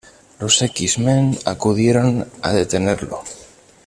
Los X-men acudieron a detenerlo.